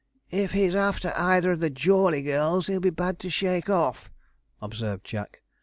'If he's after either of the Jawley girls, he'll be bad to shake off,' observed Jack.